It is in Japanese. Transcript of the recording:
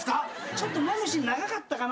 ちょっと飲むシーン長かったかな。